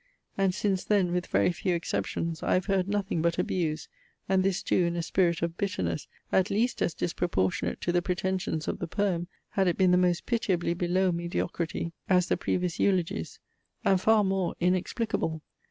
And since then, with very few exceptions, I have heard nothing but abuse, and this too in a spirit of bitterness at least as disproportionate to the pretensions of the poem, had it been the most pitiably below mediocrity, as the previous eulogies, and far more inexplicable.